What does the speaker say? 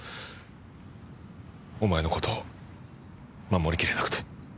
お前の事守りきれなくて。